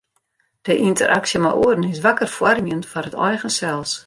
De ynteraksje mei oaren is wakker foarmjend foar it eigen sels.